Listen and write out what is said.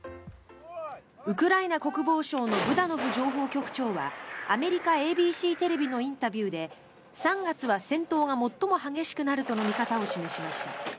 ウクライナ国防省のブダノフ情報局長はアメリカ・ＡＢＣテレビのインタビューで３月は戦闘が最も激しくなるとの見方を示しました。